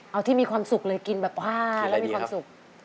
เอาที่มีความสุขเลยกินแบบผ้าแล้วมีความสุข